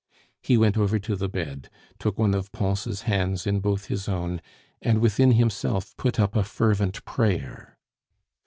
He went over to the bed, took one of Pons' hands in both his own, and within himself put up a fervent prayer.